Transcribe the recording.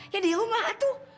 ya di rumah tuh